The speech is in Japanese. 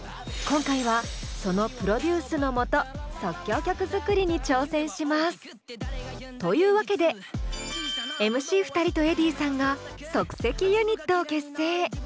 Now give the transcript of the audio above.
今回はそのプロデュースのもと即興曲作りに挑戦します！というわけでＭＣ２人とｅｄｈｉｉｉさんが即席ユニットを結成！